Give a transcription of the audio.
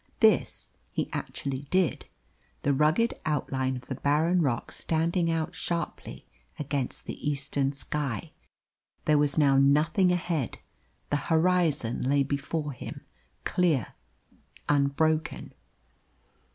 This he actually did, the rugged outline of the barren rock standing out sharply against the eastern sky. There was now nothing ahead; the horizon lay before him, clear, unbroken.